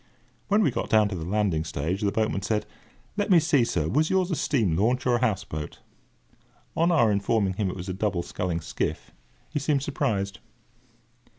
When we got down to the landing stage, the boatman said: "Let me see, sir; was yours a steam launch or a house boat?" [Picture: The bring of the provisions] On our informing him it was a double sculling skiff, he seemed surprised.